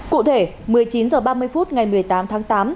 cụ thể một mươi chín h ba mươi phút ngày một mươi tám tháng tám